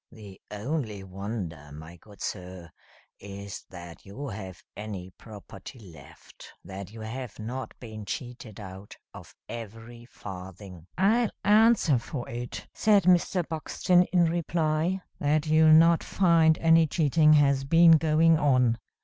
"The only wonder, my good sir, is that you have any property left; that you have not been cheated out of every farthing." "I'll answer for it," said Mr. Buxton, in reply, "that you'll not find any cheating has been going on.